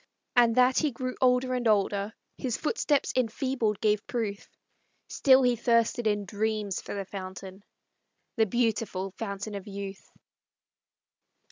And that he grew older and older, His footsteps enfeebled gave proof, Still he thirsted in dreams for the fountain, The beautiful Fountain of Youth.